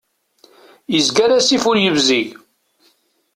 Izger asif ur yebzig.